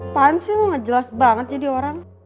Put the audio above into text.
apaan sih lo gak jelas banget jadi orang